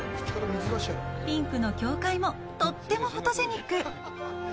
ピンクの教会も、とってもフォトジェニック！